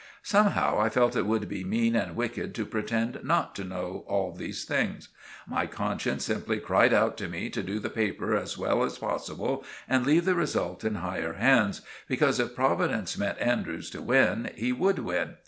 Somehow I felt it would be mean and wicked to pretend not to know all these things. My conscience simply cried out to me to do the paper as well as possible and leave the result in Higher Hands, because if Providence meant Andrews to win, he would win.